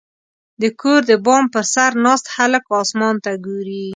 • د کور د بام پر سر ناست هلک اسمان ته ګوري.